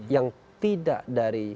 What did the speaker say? yang tidak dari